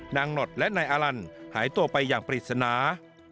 หนอดและนายอาลันหายตัวไปอย่างปริศนา